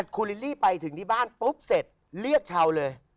คุณลิลลี่ไปถึงที่บ้านปุ๊บเสร็จเรียกชาวเลย